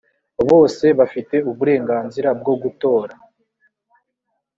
bose bafite uburenganzira bwo gutora.